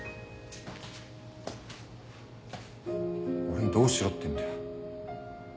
俺にどうしろってんだよ。